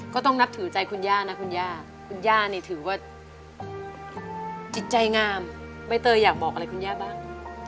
ก็ต้องนับถือใจคุณย่านะคุณย่าคุณย่านี่ถือว่าจิตใจงามใบเตยอยากบอกอะไรคุณย่าบ้าง